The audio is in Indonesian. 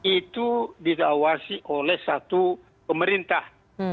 itu diawasi oleh satu pemerintah